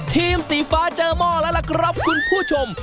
สีฟ้าเจอหม้อแล้วล่ะครับคุณผู้ชม